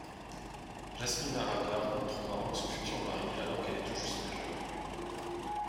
Jasmine Arabia rencontre au Maroc son futur mari, alors qu'elle est tout juste majeure.